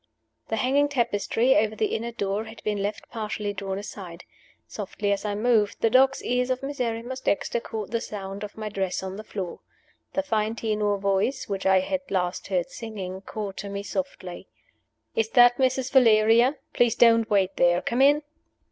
The hanging tapestry over the inner door had been left partially drawn aside. Softly as I moved, the dog's ears of Miserrimus Dexter caught the sound of my dress on the floor. The fine tenor voice, which I had last heard singing, called to me softly. "Is that Mrs. Valeria? Please don't wait there. Come in!"